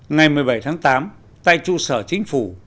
ngày một mươi bảy tháng tám tại trụ sở chính phủ